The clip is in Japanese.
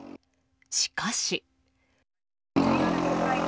しかし。